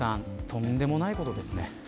とんでもないことですね。